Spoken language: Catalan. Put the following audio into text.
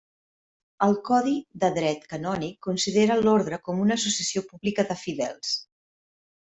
El codi de Dret Canònic considera l'orde com una associació pública de fidels.